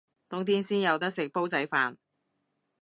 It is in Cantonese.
冬天先有得食煲仔飯